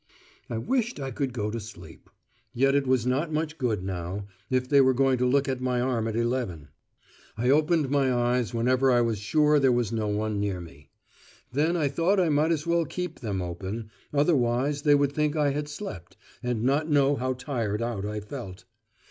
I wished I could go to sleep. Yet it was not much good now, if they were going to look at my arm at eleven. I opened my eyes whenever I was sure there was no one near me. Then I thought I might as well keep them open, otherwise they would think I had slept, and not know how tired out I felt.